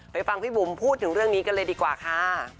ฟังพี่บุ๋มพูดถึงเรื่องนี้กันเลยดีกว่าค่ะ